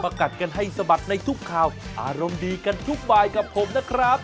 กัดกันให้สะบัดในทุกข่าวอารมณ์ดีกันทุกบายกับผมนะครับ